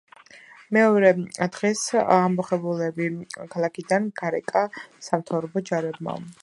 მეორე დღეს ამბოხებულები ქალაქიდან გარეკა სამთავრობო ჯარებმა.